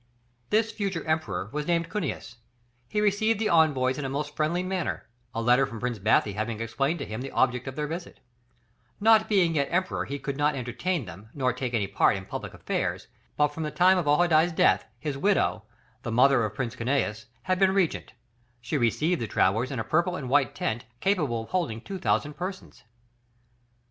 This future Emperor was named Cunius; he received the envoys in a most friendly manner, a letter from Prince Bathy having explained to him the object of their visit; not being yet Emperor he could not entertain them nor take any part in public affairs, but from the time of Ojadaï's death, his widow, the mother of Prince Cunius had been Regent; she received the travellers in a purple and white tent capable of holding 2000 persons.